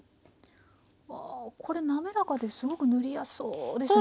わあこれなめらかですごく塗りやすそうですね。